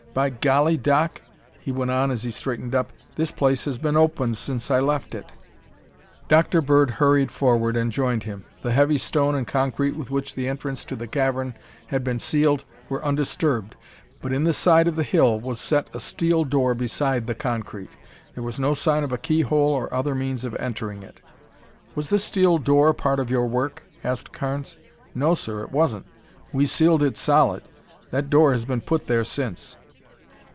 "By Golly, Doc," he went on as he straightened up, "this place has been opened since I left it!" Dr. Bird hurried forward and joined him. The heavy stone and concrete with which the entrance to the cavern had been sealed were undisturbed, but in the side of the hill was set a steel door beside the concrete. There was no sign of a keyhole or other means of entering it. "Was this steel door part of your work?" asked Carnes. "No, sir, it wasn't. We sealed it solid. That door has been put there since."